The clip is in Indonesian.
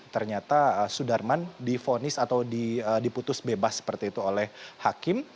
ternyata sudarman difonis atau diputus bebas seperti itu oleh hakim